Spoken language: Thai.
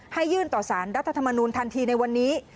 ยื่นต่อสารรัฐธรรมนูลทันทีในวันนี้